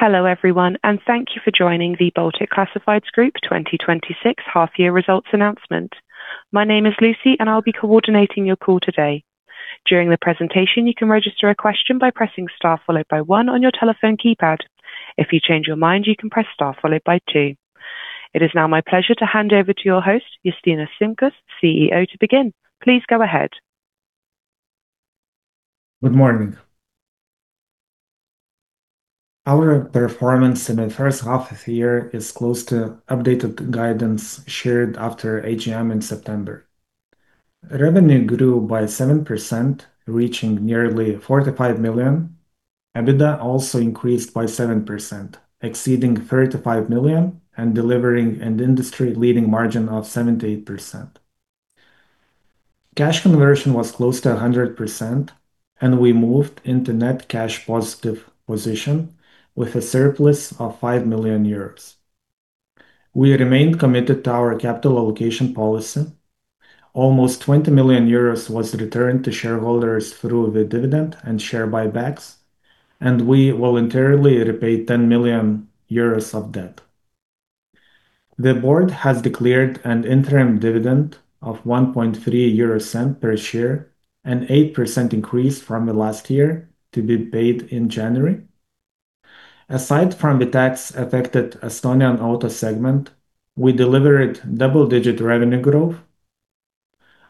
Hello everyone, and thank you for joining the Baltic Classifieds Group 2026 half-year results announcement. My name is Lucy, and I'll be coordinating your call today. During the presentation, you can register a question by pressing star followed by one on your telephone keypad. If you change your mind, you can press star followed by two. It is now my pleasure to hand over to your host, Justinas Šimkus, CEO, to begin. Please go ahead. Good morning. Our performance in the first half of the year is close to updated guidance shared after AGM in September. Revenue grew by 7%, reaching nearly 45 million. EBITDA also increased by 7%, exceeding 35 million and delivering an industry-leading margin of 78%. Cash conversion was close to 100%, and we moved into net cash positive position with a surplus of 5 million euros. We remained committed to our capital allocation policy. Almost 20 million euros was returned to shareholders through the dividend and share buybacks, and we voluntarily repaid 10 million euros of debt. The board has declared an interim dividend of 0.0130 per share, an 8% increase from last year to be paid in January. Aside from the tax-affected Estonian auto segment, we delivered double-digit revenue growth.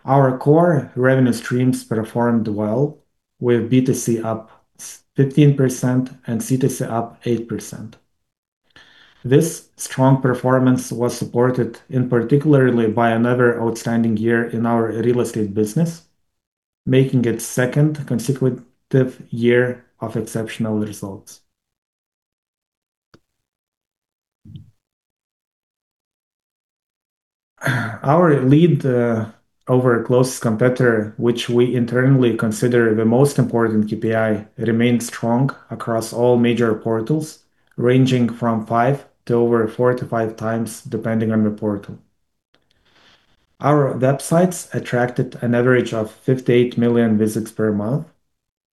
Our core revenue streams performed well, with B2C up 15% and C2C up 8%. This strong performance was supported in particular by another outstanding year in our Real Estate business, making it the second consecutive year of exceptional results. Our lead over a close competitor, which we internally consider the most important KPI, remained strong across all major portals, ranging from five to over 45 times depending on the portal. Our websites attracted an average of 58 million visits per month,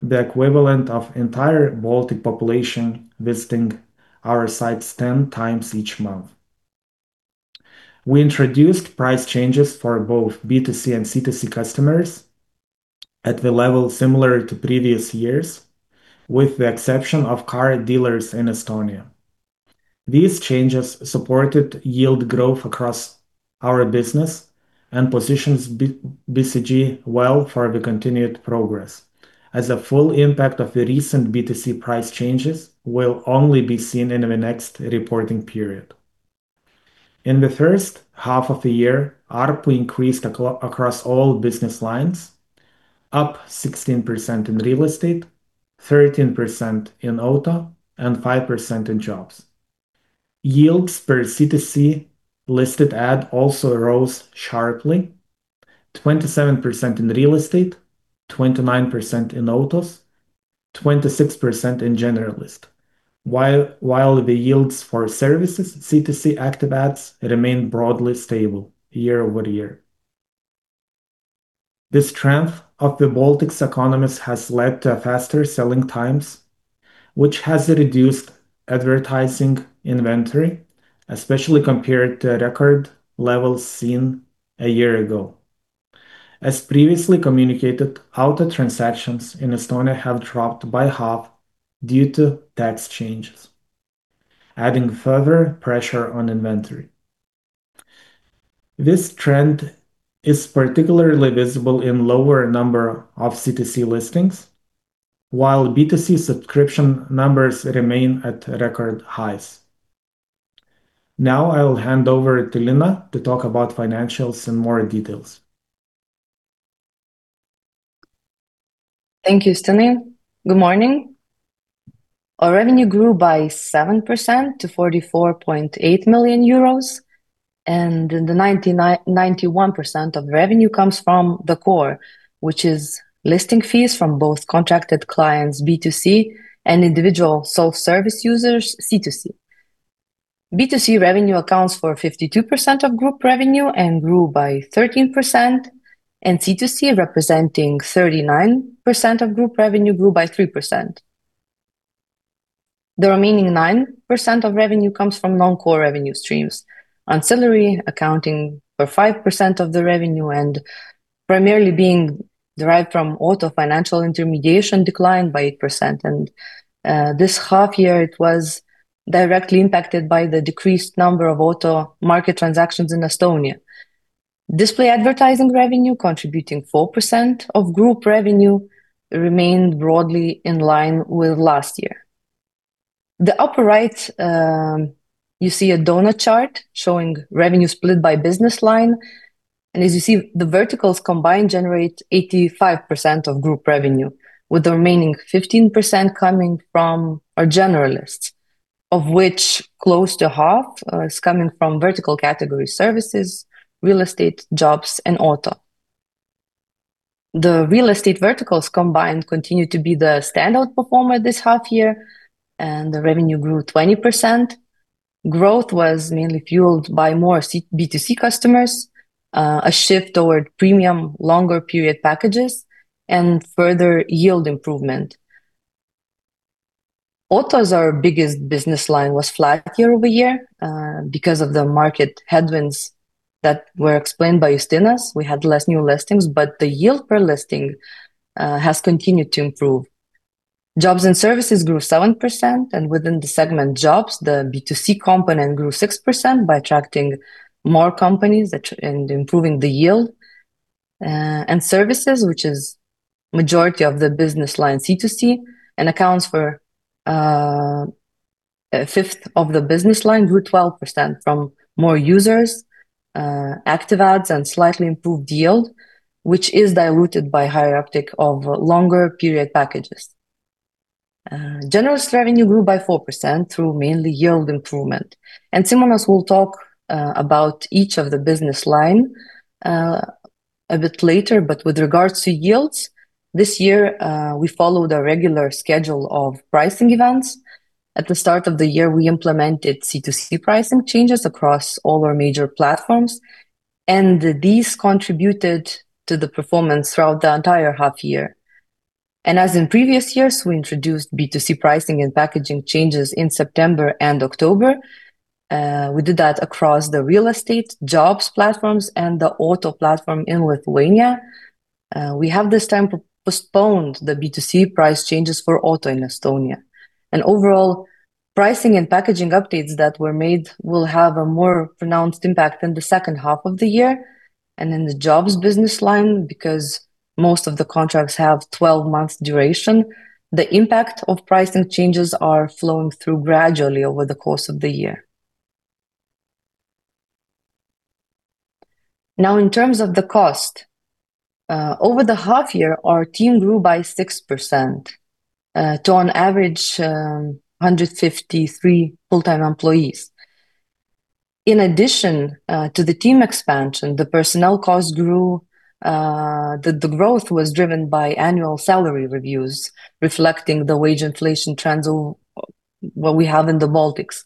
the equivalent of the entire Baltic population visiting our sites 10 times each month. We introduced price changes for both B2C and C2C customers at the level similar to previous years, with the exception of car dealers in Estonia. These changes supported yield growth across our business and positioned BCG well for the continued progress, as the full impact of the recent B2C price changes will only be seen in the next reporting period. In the first half of the year, ARPU increased across all business lines, up 16% in Real Estate, 13% in auto, and 5% in Jobs. Yields per C2C listed ad also rose sharply: 27% in Real Estate, 29% in Autos, 26% in Generalist, while the yields for Services C2C active ads remained broadly stable year over year. This trend of the Baltics economies has led to faster selling times, which has reduced advertising inventory, especially compared to record levels seen a year ago. As previously communicated, auto transactions in Estonia have dropped by half due to tax changes, adding further pressure on inventory. This trend is particularly visible in the lower number of C2C listings, while B2C subscription numbers remain at record highs. Now I will hand over to Lina to talk about financials in more details. Thank you, Justinas. Good morning. Our revenue grew by 7% to EUR 44.8 million, and 91% of revenue comes from the core, which is listing fees from both contracted clients B2C and individual self-service users C2C. B2C revenue accounts for 52% of group revenue and grew by 13%, and C2C, representing 39% of group revenue, grew by 3%. The remaining 9% of revenue comes from non-core revenue streams. Ancillary accounting for 5% of the revenue and primarily being derived from auto financial intermediation declined by 8%. This half year, it was directly impacted by the decreased number of auto market transactions in Estonia. Display advertising revenue, contributing 4% of group revenue, remained broadly in line with last year. In the upper right, you see a doughnut chart showing revenue split by business line. As you see, the verticals combined generate 85% of group revenue, with the remaining 15% coming from Generalist, of which close to half is coming from vertical category Services, Real Estate, Jobs, and Auto. The Real Estate verticals combined continue to be the standout performer this half year, and the revenue grew 20%. Growth was mainly fueled by more B2C customers, a shift toward premium longer period packages, and further yield improvement. Auto's biggest business line was flat year over year because of the market headwinds that were explained by Justinas. We had less new listings, but the yield per listing has continued to improve. Jobs and Services grew 7%, and within the segment Jobs, the B2C component grew 6% by attracting more companies and improving the yield. Services, which is the majority of the business line C2C and accounts for a fifth of the business line, grew 12% from more users, active ads, and slightly improved yield, which is diluted by higher share of longer period packages. Generalist revenue grew by 4% through mainly yield improvement. Simonas will talk about each of the business lines a bit later, but with regards to yields, this year we followed a regular schedule of pricing events. At the start of the year, we implemented C2C pricing changes across all our major platforms, and these contributed to the performance throughout the entire half year. As in previous years, we introduced B2C pricing and packaging changes in September and October. We did that across the Real Estate, Jobs platforms, and the auto platform in Lithuania. We have this time postponed the B2C price changes for auto in Estonia. Overall, pricing and packaging updates that were made will have a more pronounced impact in the second half of the year. In the Jobs business line, because most of the contracts have 12 months duration, the impact of pricing changes is flowing through gradually over the course of the year. Now, in terms of the cost, over the half year, our team grew by 6% to an average of 153 full-time employees. In addition to the team expansion, the personnel cost grew, the growth was driven by annual salary reviews, reflecting the wage inflation trends of what we have in the Baltics.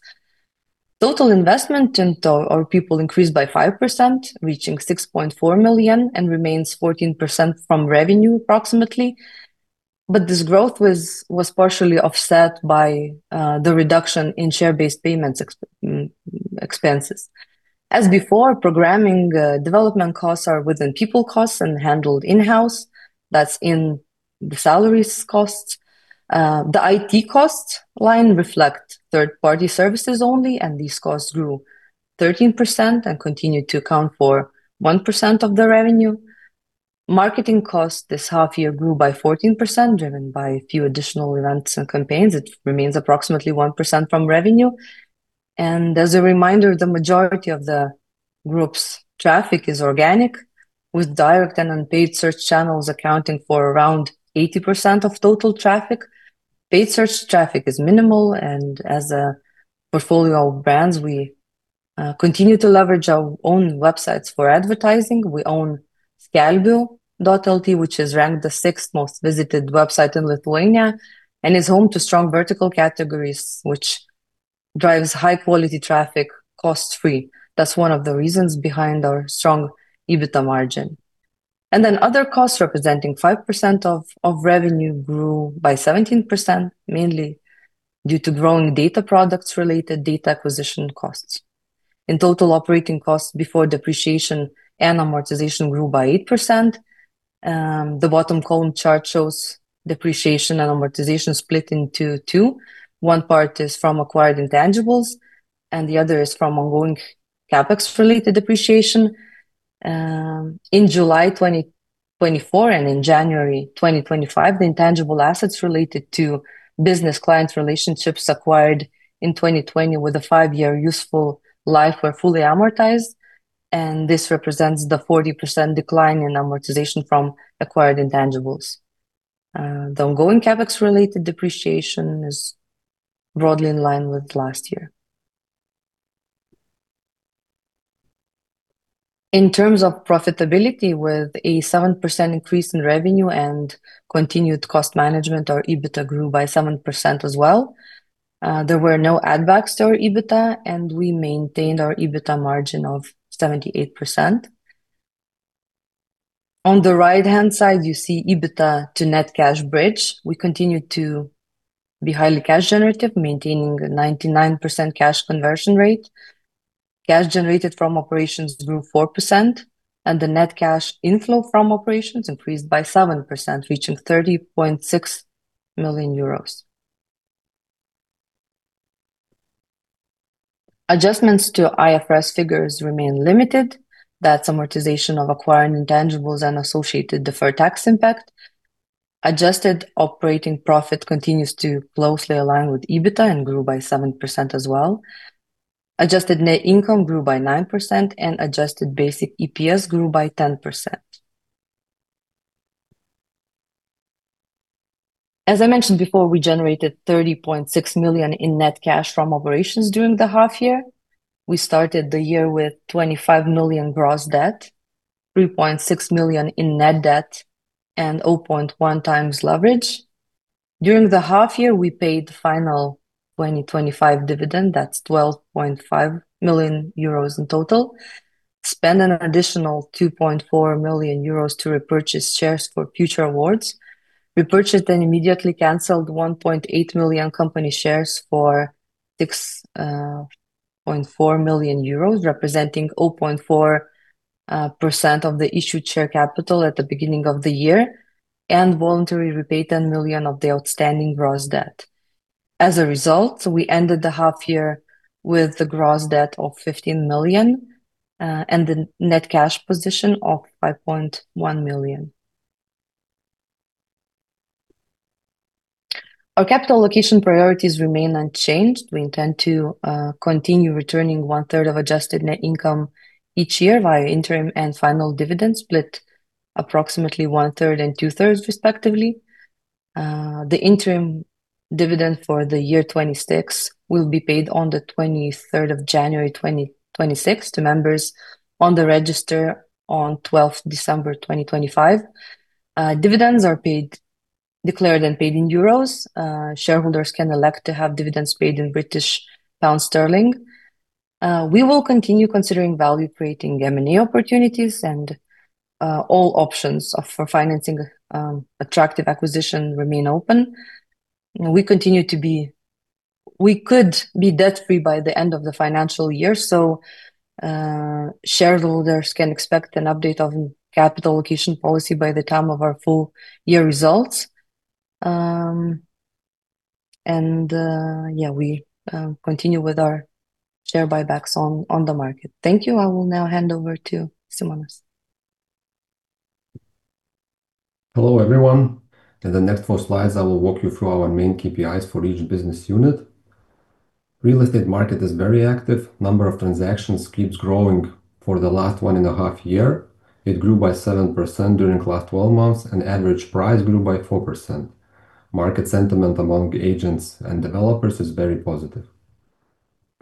Total investment in our people increased by 5%, reaching 6.4 million and remains 14% from revenue approximately. But this growth was partially offset by the reduction in share-based payments expenses. As before, programming development costs are within people costs and handled in-house. That's in the salary costs. The IT costs line reflects third-party Services only, and these costs grew 13% and continued to account for 1% of the revenue. Marketing costs this half year grew by 14%, driven by a few additional events and campaigns. It remains approximately 1% from revenue. And as a reminder, the majority of the group's traffic is organic, with direct and unpaid search channels accounting for around 80% of total traffic. Paid search traffic is minimal, and as a portfolio of brands, we continue to leverage our own websites for advertising. We own Skelbiu.lt, which is ranked the sixth most visited website in Lithuania and is home to strong vertical categories, which drives high-quality traffic cost-free. That's one of the reasons behind our strong EBITDA margin. And then other costs representing 5% of revenue grew by 17%, mainly due to growing data products-related data acquisition costs. In total, operating costs before depreciation and amortization grew by 8%. The bottom column chart shows depreciation and amortization split into two. One part is from acquired intangibles, and the other is from ongoing CapEx-related depreciation. In July 2024 and in January 2025, the intangible assets related to business clients' relationships acquired in 2020 with a five-year useful life were fully amortized, and this represents the 40% decline in amortization from acquired intangibles. The ongoing CapEx-related depreciation is broadly in line with last year. In terms of profitability, with a 7% increase in revenue and continued cost management, our EBITDA grew by 7% as well. There were no add-backs to our EBITDA, and we maintained our EBITDA margin of 78%. On the right-hand side, you see EBITDA to net cash bridge. We continue to be highly cash-generative, maintaining a 99% cash conversion rate. Cash generated from operations grew 4%, and the net cash inflow from operations increased by 7%, reaching 30.6 million euros. Adjustments to IFRS figures remain limited. That's amortization of acquired intangibles and associated deferred tax impact. Adjusted operating profit continues to closely align with EBITDA and grew by 7% as well. Adjusted net income grew by 9%, and adjusted basic EPS grew by 10%. As I mentioned before, we generated 30.6 million in net cash from operations during the half year. We started the year with 25 million gross debt, 3.6 million in net debt, and 0.1x leverage. During the half year, we paid the final 2025 dividend. That's 12.5 million euros in total. Spent an additional 2.4 million euros to repurchase shares for future awards. We purchased and immediately canceled 1.8 million company shares for 6.4 million euros, representing 0.4% of the issued share capital at the beginning of the year, and voluntarily repaid 10 million of the outstanding gross debt. As a result, we ended the half year with the gross debt of 15 million and the net cash position of 5.1 million. Our capital allocation priorities remain unchanged. We intend to continue returning 1/3 of adjusted net income each year via interim and final dividend split approximately 1/3 and 2/3, respectively. The interim dividend for the year 2026 will be paid on the 23rd of January 2026 to members on the register on 12th December 2025. Dividends are declared and paid in EUR. Shareholders can elect to have dividends paid in British pound sterling. We will continue considering value-creating M&A opportunities, and all options for financing attractive acquisition remain open. We could be debt-free by the end of the financial year, so shareholders can expect an update on capital allocation policy by the time of our full year results. And yeah, we continue with our share buybacks on the market. Thank you. I will now hand over to Simonas. Hello, everyone. In the next four slides, I will walk you through our main KPIs for each business unit. The Real Estate market is very active. The number of transactions keeps growing for the last one and a half years. It grew by 7% during the last 12 months, and the average price grew by 4%. Market sentiment among agents and developers is very positive.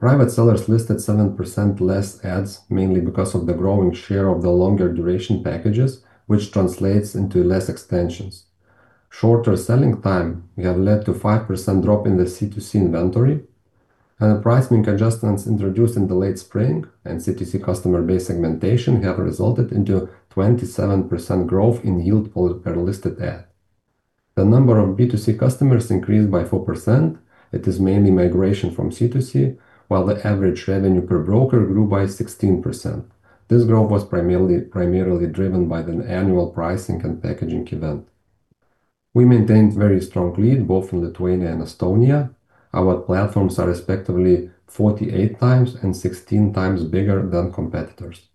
Private sellers listed 7% less ads, mainly because of the growing share of the longer duration packages, which translates into less extensions. Shorter selling time has led to a 5% drop in the C2C inventory, and the pricing adjustments introduced in the late spring and C2C customer base segmentation have resulted in a 27% growth in yield per listed ad. The number of B2C customers increased by 4%. It is mainly migration from C2C, while the average revenue per broker grew by 16%. This growth was primarily driven by the annual pricing and packaging event. We maintained a very strong lead both in Lithuania and Estonia. Our platforms are respectively 48 times and 16 times bigger than competitors.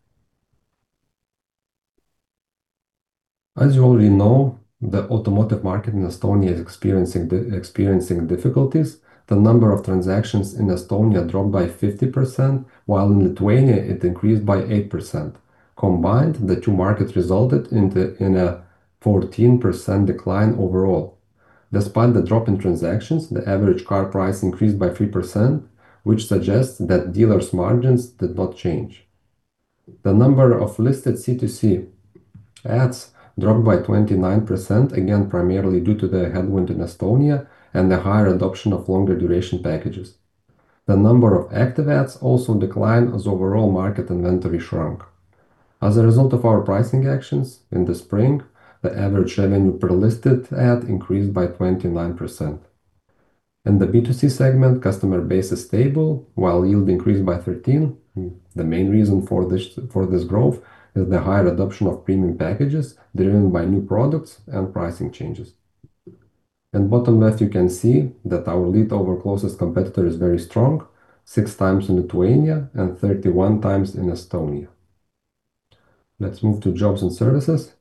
As you already know, the automotive market in Estonia is experiencing difficulties. The number of transactions in Estonia dropped by 50%, while in Lithuania it increased by 8%. Combined, the two markets resulted in a 14% decline overall. Despite the drop in transactions, the average car price increased by 3%, which suggests that dealers' margins did not change. The number of listed C2C ads dropped by 29%, again primarily due to the headwind in Estonia and the higher adoption of longer duration packages. The number of active ads also declined as overall market inventory shrank. As a result of our pricing actions in the spring, the average revenue per listed ad increased by 29%. In the B2C segment, customer base is stable, while yield increased by 13%. The main reason for this growth is the higher adoption of premium packages driven by new products and pricing changes. In the bottom left, you can see that our lead over closest competitor is very strong, six times in Lithuania and 31 times in Estonia. Let's move to Jobs and Services.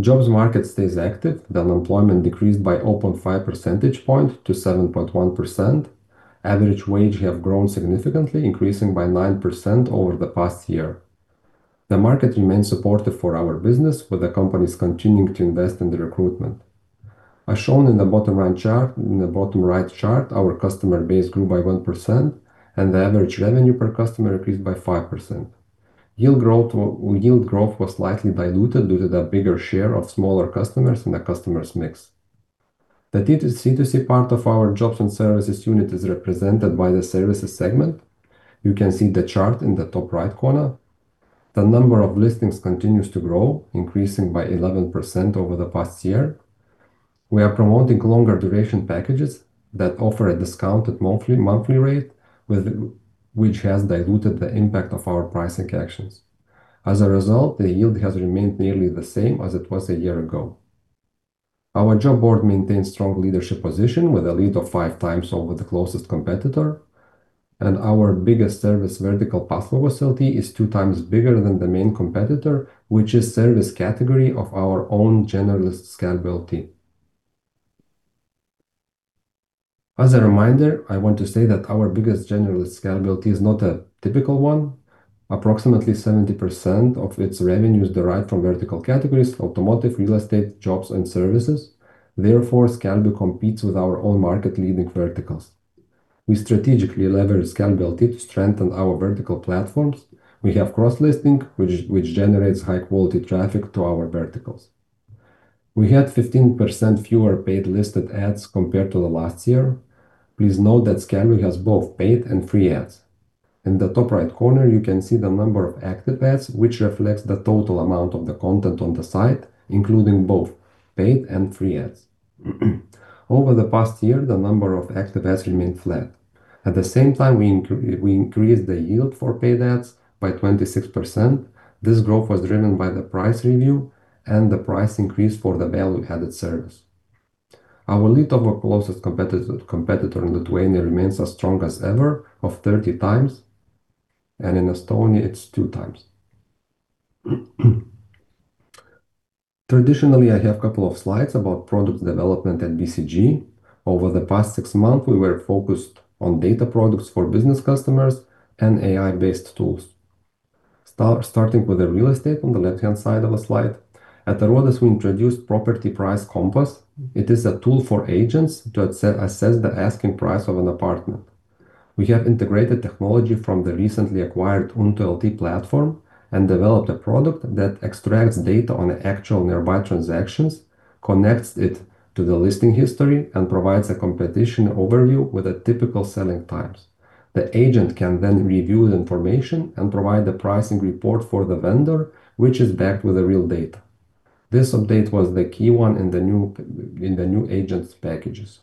Jobs market stays active. The unemployment decreased by 0.5 percentage points to 7.1%. Average wage has grown significantly, increasing by 9% over the past year. The market remains supportive for our business, with the companies continuing to invest in the recruitment. As shown in the bottom right chart, our customer base grew by 1%, and the average revenue per customer increased by 5%. Yield growth was slightly diluted due to the bigger share of smaller customers in the customers' mix. The C2C part of our Jobs and Services unit is represented by the Services segment. You can see the chart in the top right corner. The number of listings continues to grow, increasing by 11% over the past year. We are promoting longer duration packages that offer a discounted monthly rate, which has diluted the impact of our pricing actions. As a result, the yield has remained nearly the same as it was a year ago. Our job board maintains a strong leadership position with a lead of five times over the closest competitor, and our biggest service vertical Paslaugos.lt is two times bigger than the main competitor, which is a service category of our own Generalist Skelbiu.lt. As a reminder, I want to say that our biggest Generalist Skelbiu.lt is not a typical one. Approximately 70% of its revenues derived from vertical categories: Automotive, Real Estate, Jobs, and Services. Therefore, Skelbiu competes with our own market-leading verticals. We strategically leverage Skelbiu.lt to strengthen our vertical platforms. We have cross-listing, which generates high-quality traffic to our verticals. We had 15% fewer paid listed ads compared to last year. Please note that Skelbiu has both paid and free ads. In the top right corner, you can see the number of active ads, which reflects the total amount of the content on the site, including both paid and free ads. Over the past year, the number of active ads remained flat. At the same time, we increased the yield for paid ads by 26%. This growth was driven by the price review and the price increase for the value-added service. Our lead over closest competitor in Lithuania remains as strong as ever of 30x, and in Estonia, it's 2x. Traditionally, I have a couple of slides about product development at BCG. Over the past six months, we were focused on data products for business customers and AI-based tools, starting with Real Estate on the left-hand side of the slide. At Aruodas, we introduced Property Price Compass. It is a tool for agents to assess the asking price of an apartment. We have integrated technology from the recently acquired Untu.lt platform and developed a product that extracts data on actual nearby transactions, connects it to the listing history, and provides a competition overview with typical selling times. The agent can then review the information and provide the pricing report for the vendor, which is backed with real data. This update was the key one in the new agent's packages.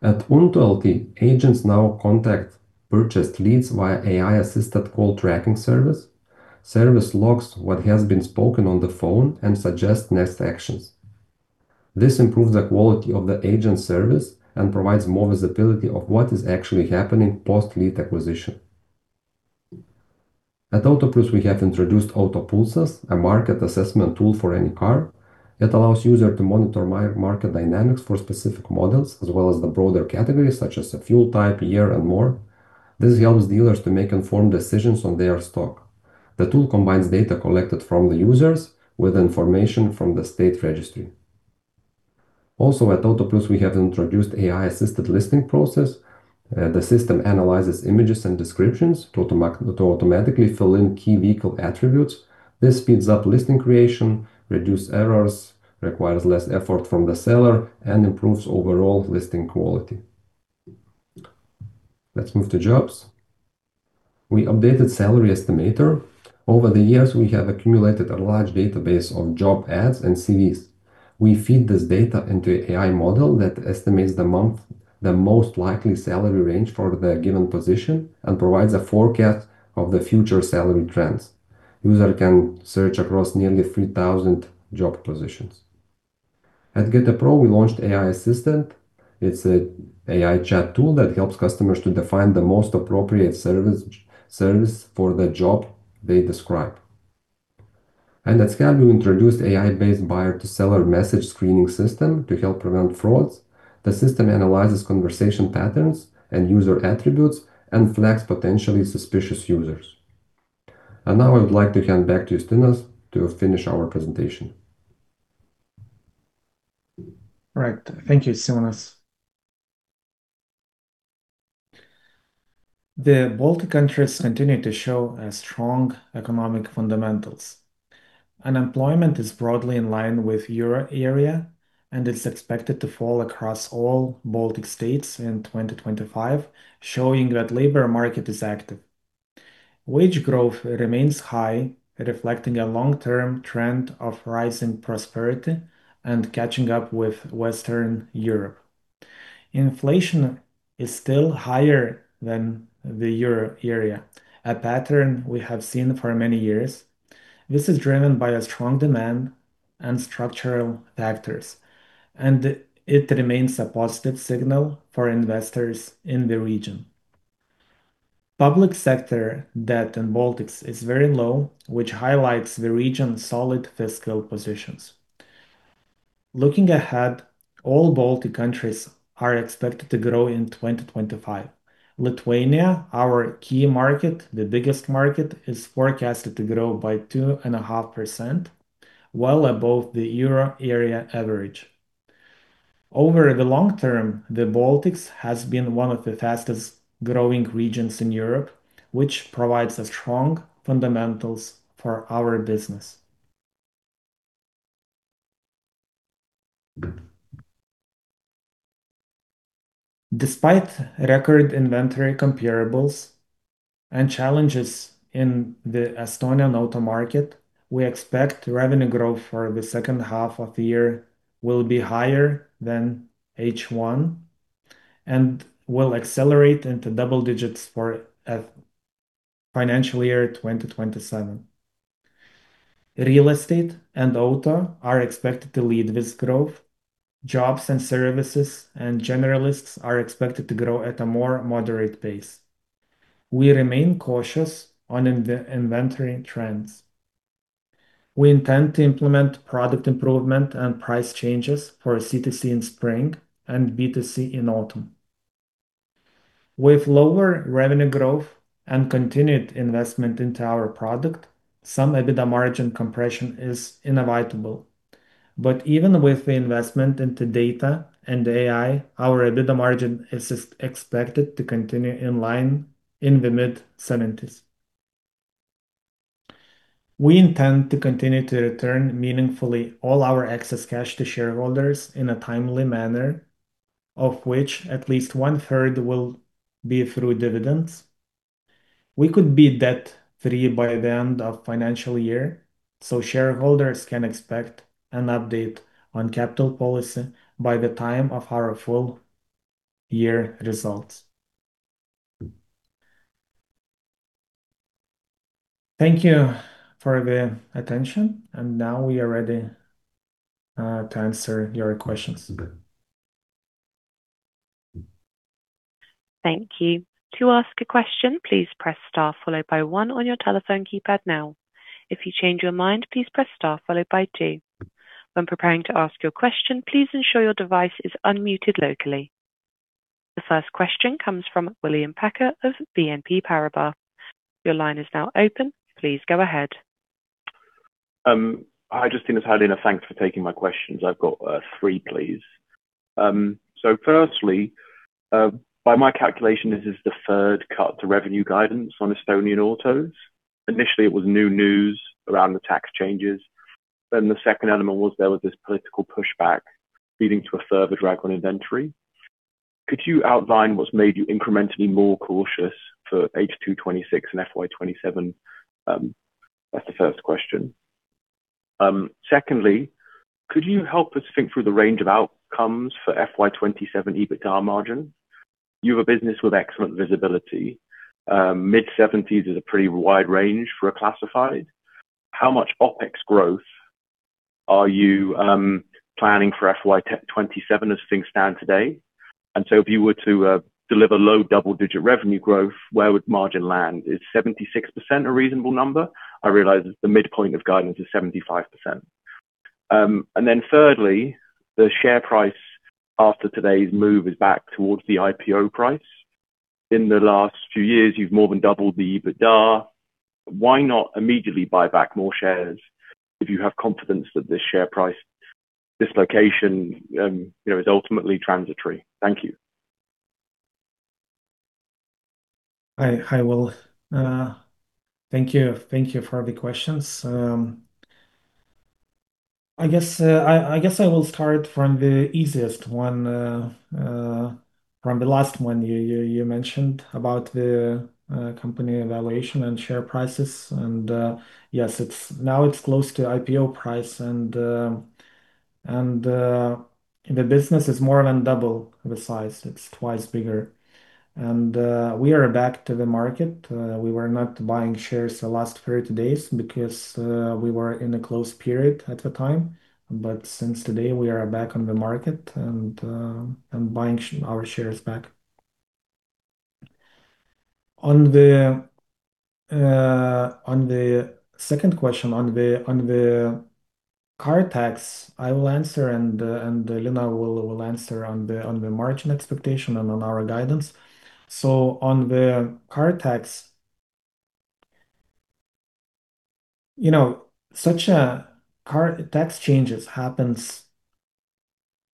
At Untu.lt, agents now contact purchased leads via AI-assisted call tracking service. Service logs what has been spoken on the phone and suggests next actions. This improves the quality of the agent service and provides more visibility of what is actually happening post-lead acquisition. At Autoplius, we have introduced AutoPulsas, a market assessment tool for any car. It allows users to monitor market dynamics for specific models, as well as the broader categories, such as fuel type, year, and more. This helps dealers to make informed decisions on their stock. The tool combines data collected from the users with information from the state registry. Also, at Autoplius, we have introduced an AI-assisted listing process. The system analyzes images and descriptions to automatically fill in key vehicle attributes. This speeds up listing creation, reduces errors, requires less effort from the seller, and improves overall listing quality. Let's move to Jobs. We updated the salary estimator. Over the years, we have accumulated a large database of job ads and CVs. We feed this data into an AI model that estimates the monthly, the most likely salary range for the given position, and provides a forecast of the future salary trends. Users can search across nearly 3,000 job positions. At GetaPro, we launched an AI assistant. It's an AI chat tool that helps customers to define the most appropriate service for the job they describe. And at Skelbiu, we introduced an AI-based buyer-to-seller message screening system to help prevent frauds. The system analyzes conversation patterns and user attributes and flags potentially suspicious users. And now I would like to hand back to Justinas to finish our presentation. All right. Thank you, Simonas. The Baltic countries continue to show strong economic fundamentals. Unemployment is broadly in line with the euro area, and it's expected to fall across all Baltic states in 2025, showing that the labor market is active. Wage growth remains high, reflecting a long-term trend of rising prosperity and catching up with Western Europe. Inflation is still higher than the euro area, a pattern we have seen for many years. This is driven by strong demand and structural factors, and it remains a positive signal for investors in the region. Public sector debt in the Baltics is very low, which highlights the region's solid fiscal positions. Looking ahead, all Baltic countries are expected to grow in 2025. Lithuania, our key market, the biggest market, is forecasted to grow by 2.5%, well above the euro area average. Over the long term, the Baltics has been one of the fastest-growing regions in Europe, which provides strong fundamentals for our business. Despite record inventory comparables and challenges in the Estonian auto market, we expect revenue growth for the second half of the year will be higher than H1 and will accelerate into double digits for the financial year 2027. Real Estate and Auto are expected to lead this growth. Jobs and Services and Generalists are expected to grow at a more moderate pace. We remain cautious on inventory trends. We intend to implement product improvement and price changes for C2C in spring and B2C in autumn. With lower revenue growth and continued investment into our product, some EBITDA margin compression is inevitable. But even with the investment into data and AI, our EBITDA margin is expected to continue in line in the mid-70s. We intend to continue to return meaningfully all our excess cash to shareholders in a timely manner, of which at least one-third will be through dividends. We could be debt-free by the end of the financial year, so shareholders can expect an update on capital policy by the time of our full-year results. Thank you for the attention, and now we are ready to answer your questions. Thank you. To ask a question, please press star followed by one on your telephone keypad now. If you change your mind, please press star followed by two. When preparing to ask your question, please ensure your device is unmuted locally. The first question comes from William Packer of BNP Paribas. Your line is now open. Please go ahead. Hi, Justinas and Simonas. Thanks for taking my questions. I've got three, please. So firstly, by my calculation, this is the third cut to revenue guidance on Estonian Autos. Initially, it was new news around the tax changes. Then the second element was there was this political pushback leading to a further drag on inventory. Could you outline what's made you incrementally more cautious for H2 2026 and FY 2027? That's the first question. Secondly, could you help us think through the range of outcomes for FY 2027 EBITDA margin? You have a business with excellent visibility. Mid-70s is a pretty wide range for a classified. How much OpEx growth are you planning for FY 2027 as things stand today? And so if you were to deliver low double-digit revenue growth, where would margin land? Is 76% a reasonable number? I realize the midpoint of guidance is 75%. And then thirdly, the share price after today's move is back towards the IPO price. In the last few years, you've more than doubled the EBITDA. Why not immediately buy back more shares if you have confidence that this share price dislocation is ultimately transitory? Thank you. Hi, Will. Thank you for the questions. I guess I will start from the easiest one, from the last one you mentioned about the company valuation and share prices. And yes, now it's close to IPO price, and the business is more than double the size. It's twice bigger. And we are back to the market. We were not buying shares the last 30 days because we were in a closed period at the time. But since today, we are back on the market and buying our shares back. On the second question, on the car tax, I will answer, and Lina will answer on the margin expectation and on our guidance. So on the car tax, such tax changes happen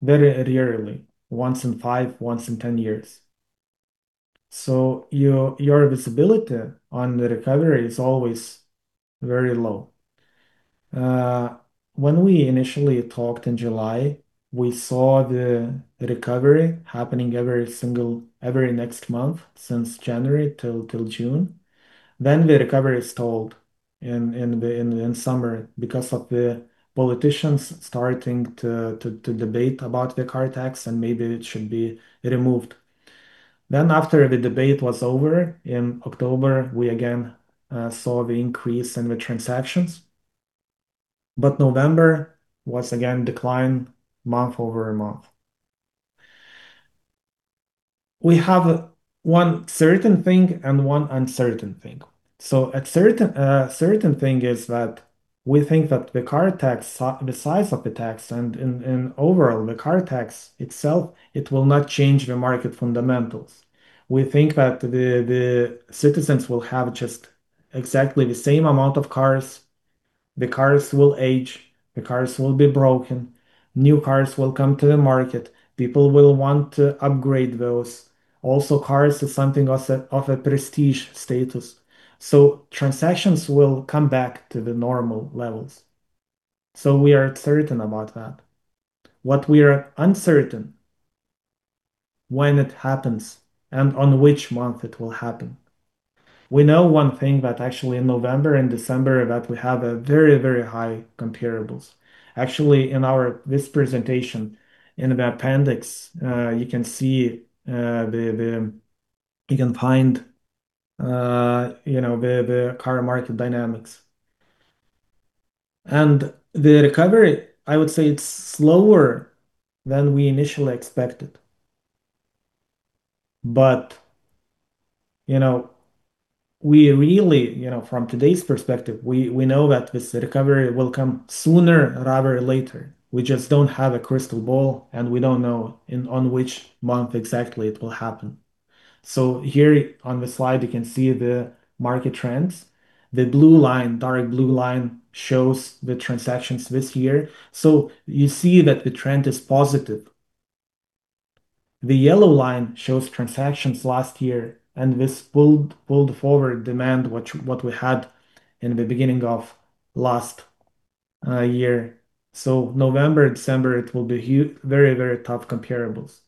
very rarely, once in five, once in ten years. So your visibility on the recovery is always very low. When we initially talked in July, we saw the recovery happening every single next month since January till June. Then the recovery stalled in summer because of the politicians starting to debate about the car tax, and maybe it should be removed. Then after the debate was over in October, we again saw the increase in the transactions. But November was again a decline month over month. We have one certain thing and one uncertain thing. So a certain thing is that we think that the car tax, the size of the tax, and overall the car tax itself, it will not change the market fundamentals. We think that the citizens will have just exactly the same amount of cars. The cars will age. The cars will be broken. New cars will come to the market. People will want to upgrade those. Also, cars are something of a prestige status. Transactions will come back to the normal levels. We are certain about that. What we are uncertain is when it happens and on which month it will happen. We know one thing that actually in November and December that we have very, very high comparables. Actually, in this presentation, in the appendix, you can find the car market dynamics. The recovery, I would say it's slower than we initially expected. But we really, from today's perspective, we know that this recovery will come sooner rather than later. We just don't have a crystal ball, and we don't know on which month exactly it will happen. Here on the slide, you can see the market trends. The blue line, dark blue line, shows the transactions this year. You see that the trend is positive. The yellow line shows transactions last year, and this pulled forward demand that we had in the beginning of last year. So November, December, it will be very, very tough comparables.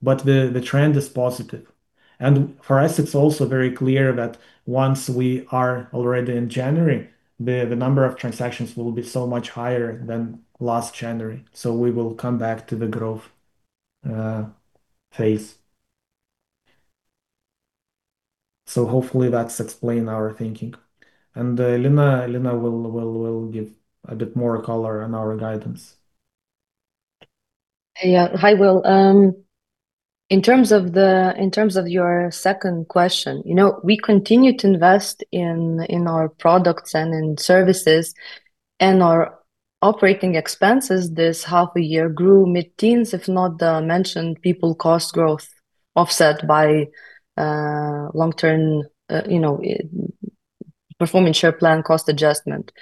But the trend is positive. And for us, it's also very clear that once we are already in January, the number of transactions will be so much higher than last January. So we will come back to the growth phase. So hopefully that's explaining our thinking. And Lina will give a bit more color on our guidance. Yeah. Hi, Will. In terms of your second question, we continue to invest in our products and in services, and our operating expenses this half a year grew mid-teens, if not the mentioned people cost growth offset by long-term Performance Share Plan cost adjustment.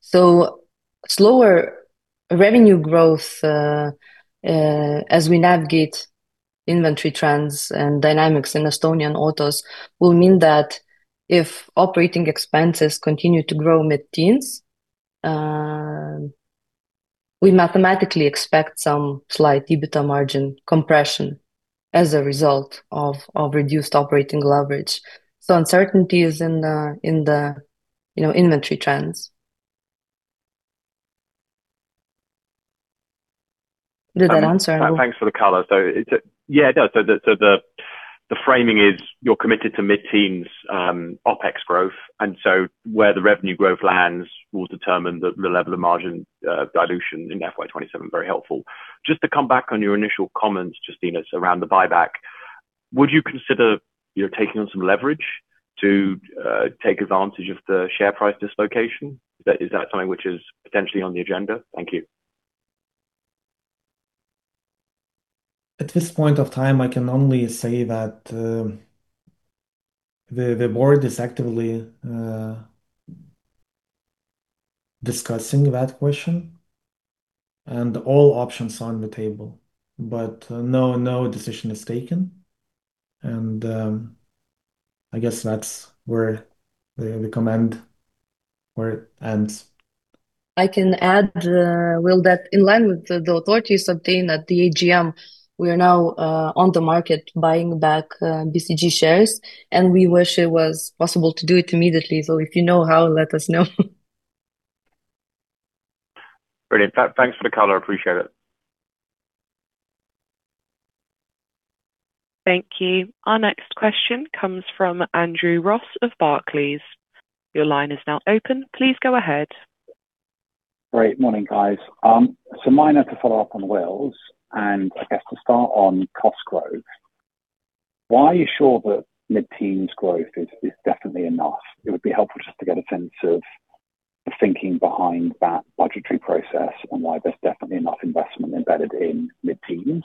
So slower revenue growth as we navigate inventory trends and dynamics in Estonian Autos will mean that if operating expenses continue to grow mid-teens, we mathematically expect some slight EBITDA margin compression as a result of reduced operating leverage. So uncertainty is in the inventory trends. Did that answer? Thanks, Lina Mačienė. So yeah, it does. So the framing is you're committed to mid-teens OpEx growth. And so where the revenue growth lands will determine the level of margin dilution in FY 2027. Very helpful. Just to come back on your initial comments, Justinas, around the buyback, would you consider taking on some leverage to take advantage of the share price dislocation? Is that something which is potentially on the agenda? Thank you. At this point of time, I can only say that the board is actively discussing that question and all options on the table. But no, no decision is taken. And I guess that's where the comment ends. I can add, Will, that in line with the authorities obtained at the AGM, we are now on the market buying back BCG shares. And we wish it was possible to do it immediately. So if you know how, let us know. Brilliant. Thanks Mačienė. Appreciate it. Thank you. Our next question comes from Andrew Ross of Barclays. Your line is now open. Please go ahead. Great. Morning, guys. So mine are to follow up on Will's. And I guess to start on cost growth, why are you sure that mid-teens growth is definitely enough? It would be helpful just to get a sense of the thinking behind that budgetary process and why there's definitely enough investment embedded in mid-teens.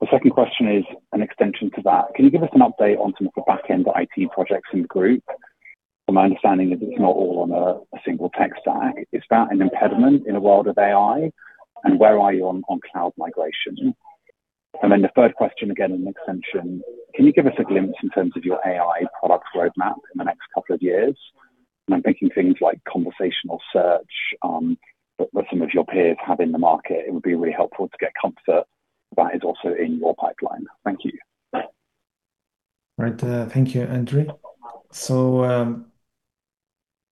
The second question is an extension to that. Can you give us an update on some of the back-end IT projects in the group? My understanding is it's not all on a single tech stack. Is that an impediment in a world of AI? And where are you on cloud migration? And then the third question, again, an extension. Can you give us a glimpse in terms of your AI product roadmap in the next couple of years? And I'm thinking things like conversational search that some of your peers have in the market. It would be really helpful to get comfort that is also in your pipeline. Thank you. All right. Thank you, Andrew. So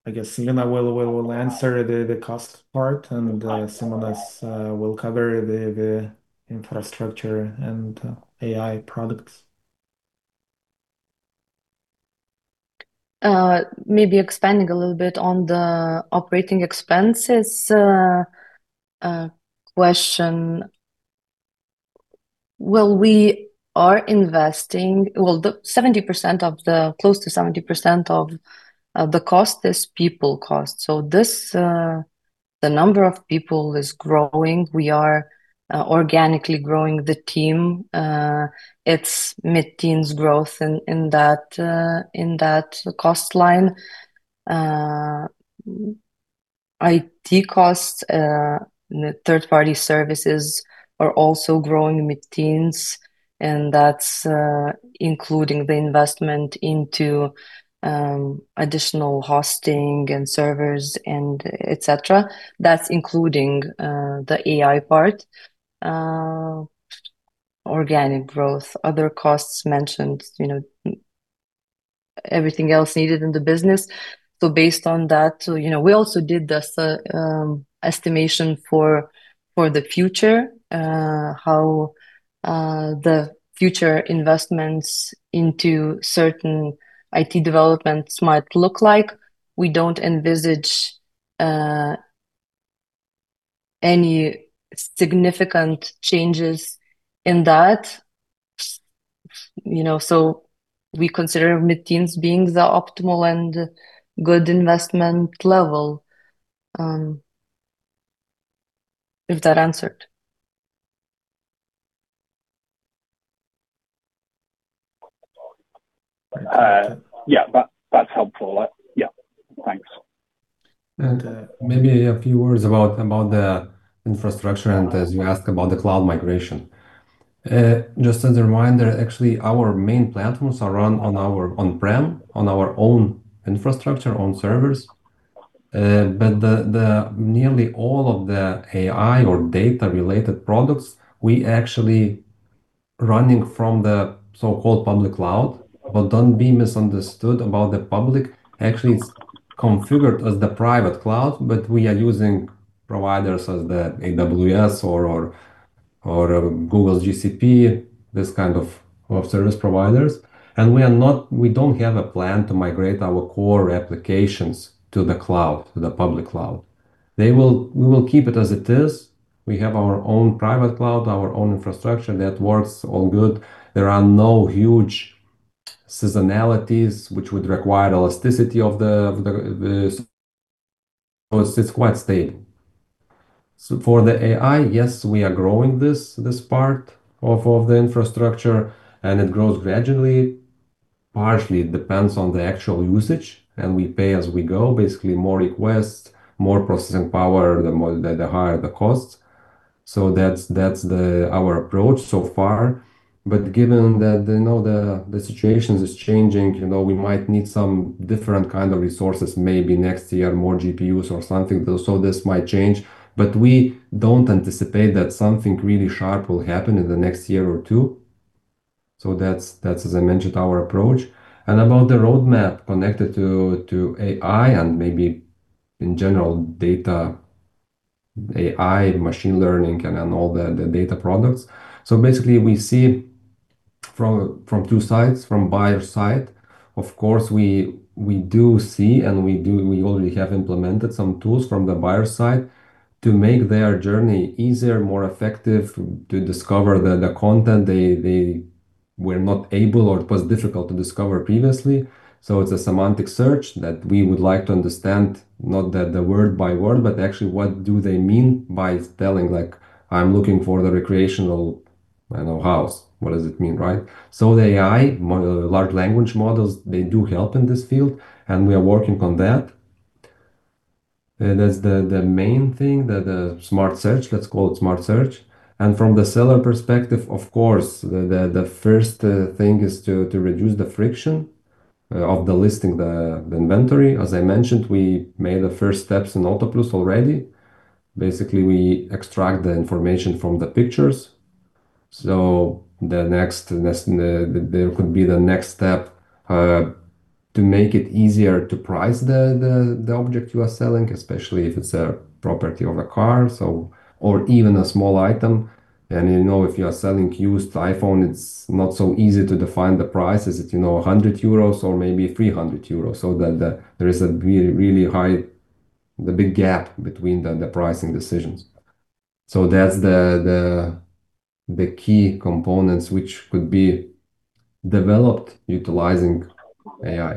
I guess Lina will answer the cost part, and Simonas will cover the infrastructure and AI products. Maybe expanding a little bit on the operating expenses question. Well, we are investing well, close to 70% of the cost is people cost. So the number of people is growing. We are organically growing the team. It's mid-teens growth in that cost line. IT costs and third-party services are also growing mid-teens, and that's including the investment into additional hosting and servers, etc. That's including the AI part, organic growth, other costs mentioned, everything else needed in the business. So based on that, we also did this estimation for the future, how the future investments into certain IT developments might look like. We don't envisage any significant changes in that. So we consider mid-teens being the optimal and good investment level. Is that answered? Yeah, that's helpful. Yeah. Thanks. And maybe a few words about the infrastructure and as you ask about the cloud migration. Just as a reminder, actually, our main platforms are run on our on-prem, on our own infrastructure, on servers. But nearly all of the AI or data-related products, we actually running from the so-called public cloud. But don't be misunderstood about the public. Actually, it's configured as the private cloud, but we are using providers as the AWS or Google GCP, this kind of service providers. And we don't have a plan to migrate our core applications to the cloud, to the public cloud. We will keep it as it is. We have our own private cloud, our own infrastructure. That works. All good. There are no huge seasonalities which would require elasticity of the so it's quite stable. For the AI, yes, we are growing this part of the infrastructure, and it grows gradually. Partially, it depends on the actual usage, and we pay as we go. Basically, more requests, more processing power, the higher the costs. So that's our approach so far. But given that the situation is changing, we might need some different kind of resources, maybe next year, more GPUs or something. So this might change. But we don't anticipate that something really sharp will happen in the next year or two. So that's, as I mentioned, our approach. And about the roadmap connected to AI and maybe in general data, AI, machine learning, and all the data products. So basically, we see from two sides, from buyer's side. Of course, we do see, and we already have implemented some tools from the buyer's side to make their journey easier, more effective to discover the content they were not able or it was difficult to discover previously. So it's a semantic search that we would like to understand, not the word by word, but actually what do they mean by telling like, "I'm looking for the recreational house." What does it mean? Right? So the AI, large language models, they do help in this field, and we are working on that. That's the main thing, the smart search. Let's call it smart search. And from the seller perspective, of course, the first thing is to reduce the friction of the listing, the inventory. As I mentioned, we made the first steps in Autoplius already. Basically, we extract the information from the pictures. So there could be the next step to make it easier to price the object you are selling, especially if it's a property or a car or even a small item. And if you are selling a used iPhone, it's not so easy to define the price. Is it 100 euros or maybe 300 euros? So there is a really high, the big gap between the pricing decisions. So that's the key components which could be developed utilizing AI.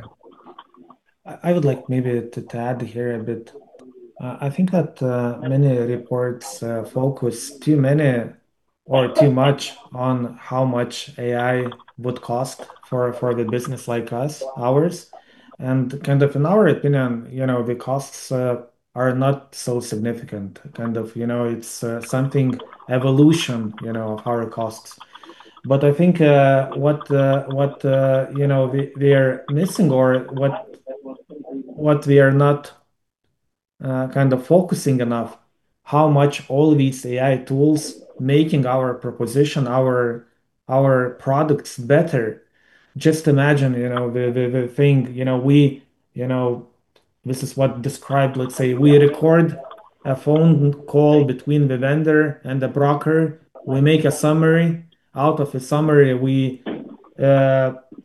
I would like maybe to add here a bit. I think that many reports focus too many or too much on how much AI would cost for the business like us, ours. And kind of in our opinion, the costs are not so significant. Kind of it's something evolution of our costs. But I think what we are missing or what we are not kind of focusing enough, how much all these AI tools are making our proposition, our products better. Just imagine the thing. This is what described, let's say, we record a phone call between the vendor and the broker. We make a summary. Out of a summary, we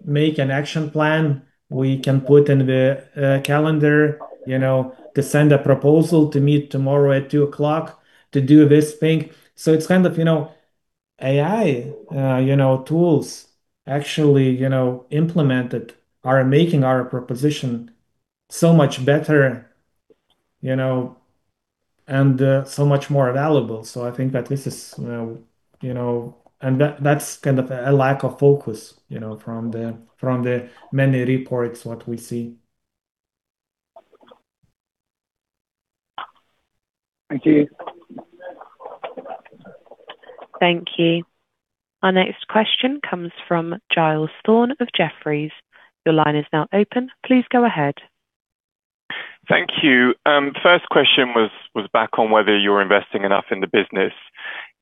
make an action plan. We can put in the calendar to send a proposal to meet tomorrow at 2:00 P.M. to do this thing. So it's kind of AI tools actually implemented are making our proposition so much better and so much more available. So I think that this is, and that's kind of a lack of focus from the many reports what we see. Thank you. Thank you. Our next question comes from Giles Thorne of Jefferies. Your line is now open. Please go ahead. Thank you. First question was back on whether you're investing enough in the business.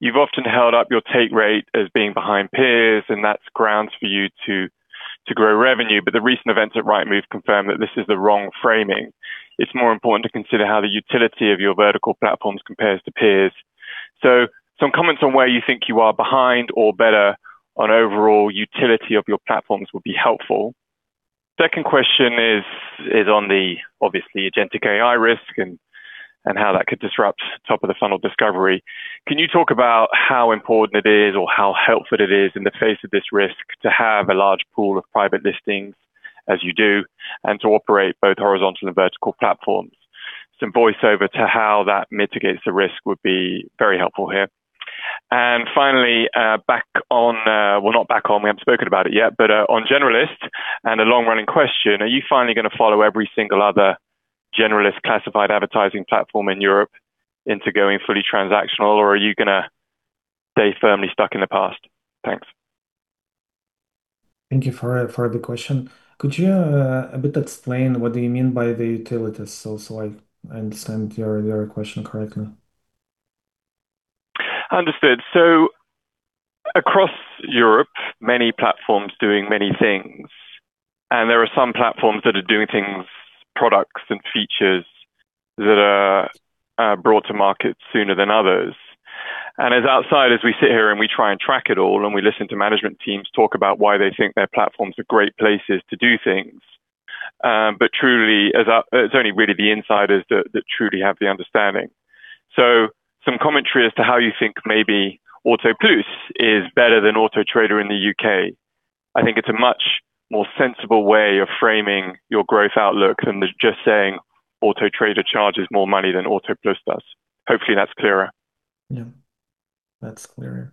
You've often held up your take rate as being behind peers, and that's grounds for you to grow revenue. But the recent events at Rightmove confirm that this is the wrong framing. It's more important to consider how the utility of your vertical platforms compares to peers. So some comments on where you think you are behind or better on overall utility of your platforms would be helpful. Second question is on the, obviously, agentic AI risk and how that could disrupt top-of-the-funnel discovery. Can you talk about how important it is or how helpful it is in the face of this risk to have a large pool of private listings as you do and to operate both horizontal and vertical platforms? Some voiceover to how that mitigates the risk would be very helpful here. Finally, we haven't spoken about it yet, but on Generalist and a long-running question, are you finally going to follow every single other Generalist classified advertising platform in Europe into going fully transactional, or are you going to stay firmly stuck in the past? Thanks. Thank you for the question. Could you a bit explain what do you mean by the utilities? So I understand your question correctly. Understood. So across Europe, many platforms doing many things. And there are some platforms that are doing things, products, and features that are brought to market sooner than others. And as outsiders we sit here and we try and track it all, and we listen to management teams talk about why they think their platforms are great places to do things. But truly, it's only really the insiders that truly have the understanding. So some commentary as to how you think maybe Autoplius is better than Auto Trader in the U.K. I think it's a much more sensible way of framing your growth outlook than just saying Auto Trader charges more money than Autoplius does. Hopefully, that's clearer. Yeah. That's clearer.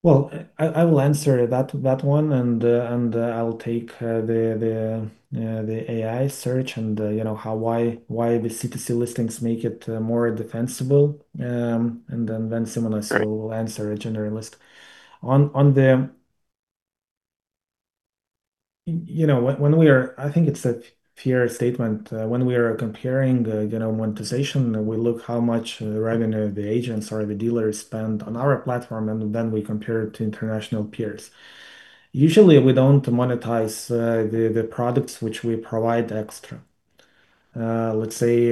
Well, I will answer that one, and I'll take the AI search and why the C2C listings make it more defensible, and then Simonas will answer a Generalist. When we are, I think it's a fair statement. When we are comparing monetization, we look how much revenue the agents or the dealers spend on our platform, and then we compare it to international peers. Usually, we don't monetize the products which we provide extra. Let's say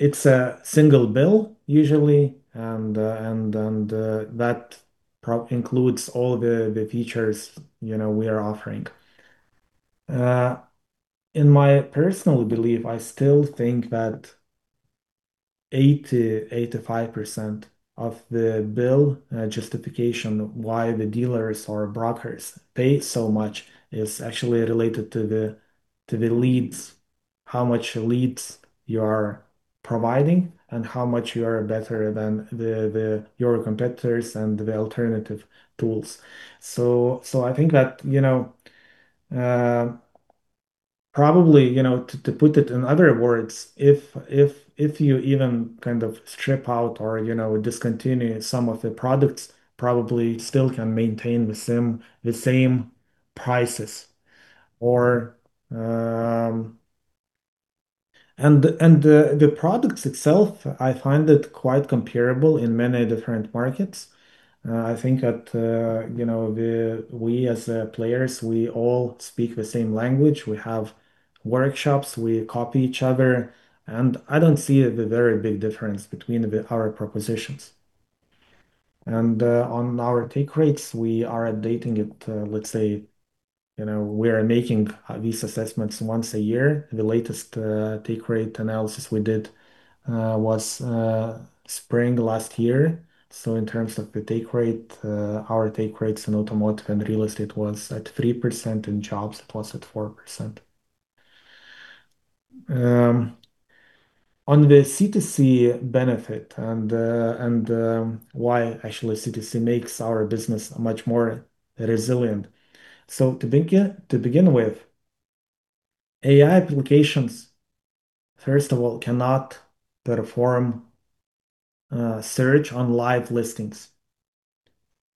it's a single bill, usually, and that includes all the features we are offering. In my personal belief, I still think that 80%-85% of the bill justification why the dealers or brokers pay so much is actually related to the leads, how much leads you are providing and how much you are better than your competitors and the alternative tools. So, I think that probably, to put it in other words, if you even kind of strip out or discontinue some of the products, probably still can maintain the same prices. And the products itself, I find it quite comparable in many different markets. I think that we, as players, we all speak the same language. We have workshops. We copy each other. And I don't see the very big difference between our propositions. And on our take rates, we are updating it. Let's say we are making these assessments once a year. The latest take rate analysis we did was spring last year. So in terms of the take rate, our take rates in automotive and Real Estate was at 3%, in Jobs, it was at 4%. On the C2C benefit and why actually C2C makes our business much more resilient. So to begin with, AI applications, first of all, cannot perform search on live listings.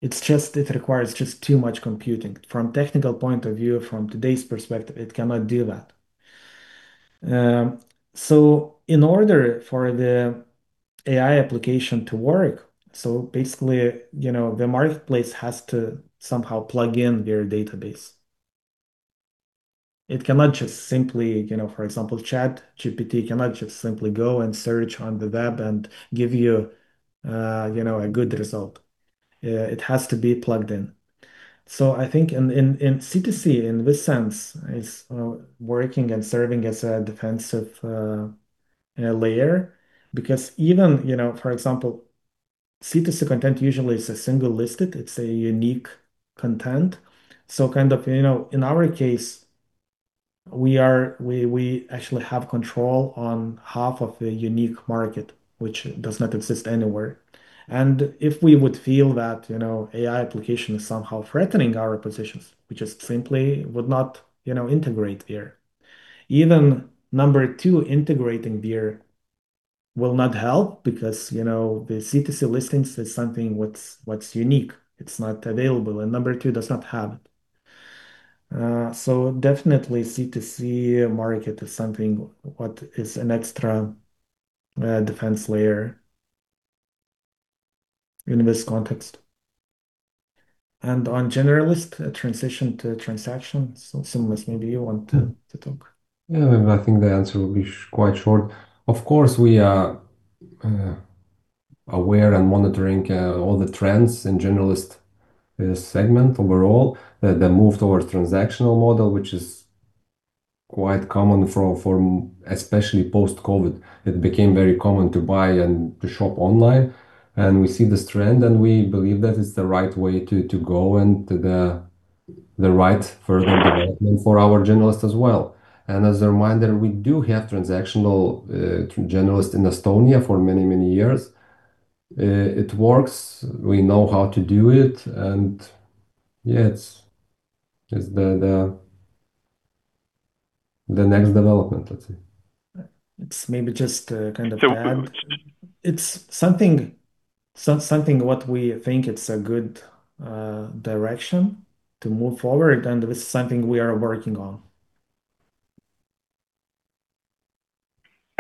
It requires just too much computing. From a technical point of view, from today's perspective, it cannot do that. So in order for the AI application to work, so basically, the marketplace has to somehow plug in their database. It cannot just simply, for example, ChatGPT cannot just simply go and search on the web and give you a good result. It has to be plugged in. So I think in C2C, in this sense, is working and serving as a defensive layer because even, for example, C2C content usually is a single listed. It's a unique content. So kind of in our case, we actually have control on half of a unique market, which does not exist anywhere. And if we would feel that AI application is somehow threatening our positions, we just simply would not integrate there. Even number two, integrating there will not help because the C2C listings is something what's unique. It's not available. And number two does not have it. So definitely, C2C market is something what is an extra defense layer in this context. And on Generalist, a transition to transaction. So Simonas, maybe you want to talk. Yeah. I think the answer will be quite short. Of course, we are aware and monitoring all the trends in Generalist segment overall. The move towards transactional model, which is quite common for especially post-COVID, it became very common to buy and to shop online. And we see this trend, and we believe that it's the right way to go and the right further development for our Generalist as well. And as a reminder, we do have transactional Generalist in Estonia for many, many years. It works. We know how to do it. And yeah, it's the next development, let's say. It's something what we think it's a good direction to move forward, and this is something we are working on.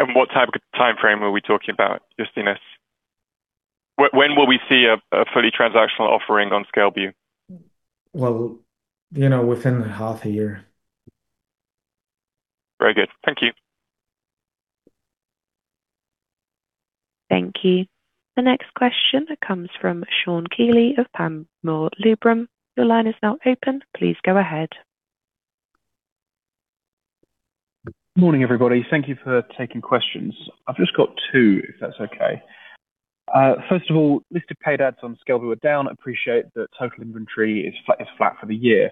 What time frame are we talking about, Justinas? When will we see a fully transactional offering on Skelbiu? Within half a year. Very good. Thank you. Thank you. The next question comes from Sean Kealy of Panmure Liberum. Your line is now open. Please go ahead. Morning, everybody. Thank you for taking questions. I've just got two, if that's okay. First of all, listed paid ads on Skelbiu are down. Appreciate the total inventory is flat for the year.